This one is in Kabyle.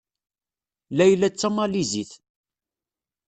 Layla d Tamalizit.